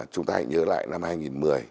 chúng ta hãy nhớ lại năm hai nghìn một mươi